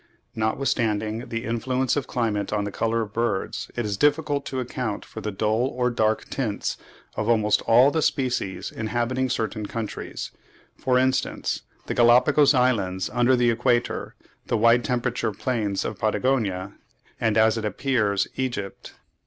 Notwithstanding the influence of climate on the colours of birds, it is difficult to account for the dull or dark tints of almost all the species inhabiting certain countries, for instance, the Galapagos Islands under the equator, the wide temperate plains of Patagonia, and, as it appears, Egypt (see Mr. Hartshorne in the 'American Naturalist,' 1873, p. 747).